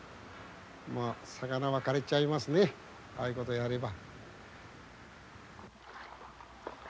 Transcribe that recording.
まあ魚がかれちゃいますねああいうことやれば。